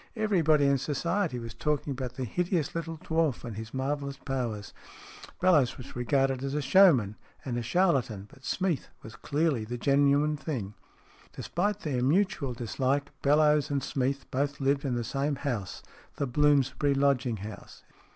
Everybody in Society was talk ing about the hideous little dwarf and his marvellous powers. Bellowes was regarded as a showman and a charlatan, but Smeath was clearly the genuine thing. Despite their mutual dislike, Bellowes and Smeath both lived in the same house the Bloomsbury lodging house.